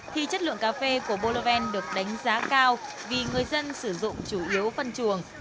thì chất lượng cà phê của boven được đánh giá cao vì người dân sử dụng chủ yếu phân chuồng